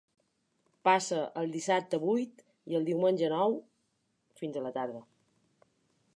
Passa el dissabte vuit i el diumenge nou, fins a la tarda.